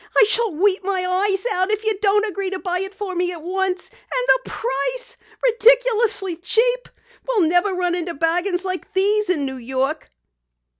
I shall weep my eyes out if you don't agree to buy it for me at once. And the price! Ridiculously cheap! We'll never run into bargains like these in New York."